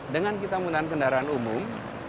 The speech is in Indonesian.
dengan kita menggunakan kendaraan umum